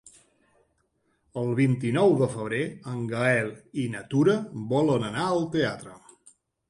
El vint-i-nou de febrer en Gaël i na Tura volen anar al teatre.